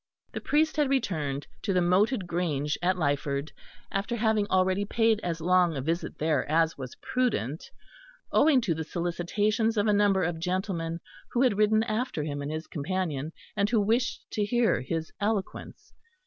The priest had returned to the moated grange at Lyford, after having already paid as long a visit there as was prudent, owing to the solicitations of a number of gentlemen who had ridden after him and his companion, and who wished to hear his eloquence.